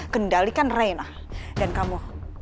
kendalikan reyna dan kamu